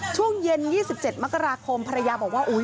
ช่วงเย็น๒๗มกราคมภรรยาบอกว่า